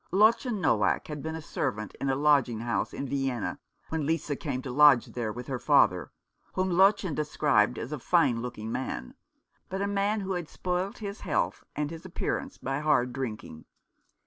Lottchen Noack had been a servant in a lodging house in Vienna when Lisa came to lodge there with her father, whom Lottchen described as a fine looking man, but a man who had spoilt his health and his appearance by hard drinking.